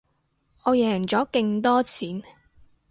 我贏咗勁多錢